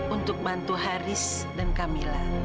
untuk bantu haris dan camilla